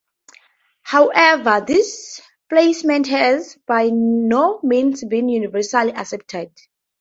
However, this placement has by no means been universally accepted.